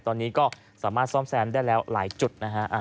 ตอนนี้ก็สามารถซ่อมแซมได้แล้วหลายจุดนะฮะ